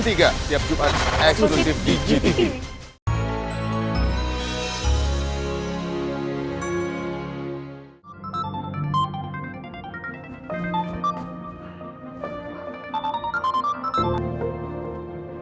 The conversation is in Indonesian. tiap jumat eksklusif di gtv